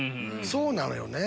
そうなのよね。